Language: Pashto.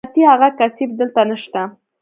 لعنتي اغه کثيف دلته نشته.